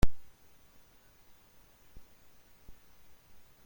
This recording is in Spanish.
La lucha se inició en Praga.